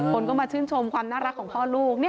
คนก็มาชื่นชมความน่ารักของพ่อลูก